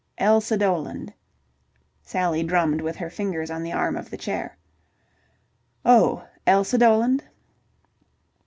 "Elsa Doland." Sally drummed with her fingers on the arm of the chair. "Oh, Elsa Doland?"